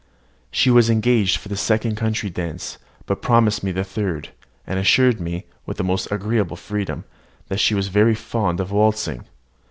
She was engaged for the second country dance, but promised me the third, and assured me, with the most agreeable freedom, that she was very fond of waltzing.